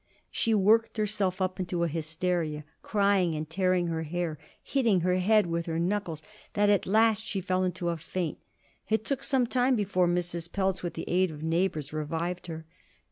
She worked herself up into such a hysteria, crying, and tearing her hair, and hitting her head with her knuckles, that at last she fell into a faint. It took some time before Mrs. Pelz, with the aid of neighbors, revived her.